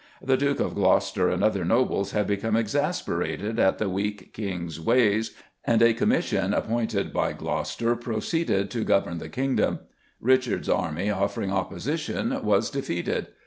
The Duke of Gloucester and other nobles had become exasperated at the weak King's ways, and a commission appointed by Gloucester proceeded to govern the Kingdom; Richard's army offering opposition was defeated.